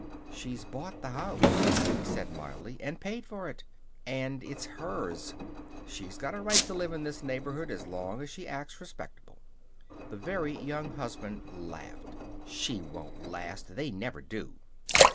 "She's bought the house," he said mildly, "and paid for it. And it's hers. She's got a right to live in this neighborhood as long as she acts respectable." The Very Young Husband laughed. "She won't last! They never do."